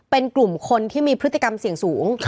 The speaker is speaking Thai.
เป็นกลุ่มคนที่มีพฤติกรรมเสี่ยงสูง